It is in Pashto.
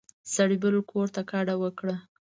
سړي بل کور ته کډه وکړه.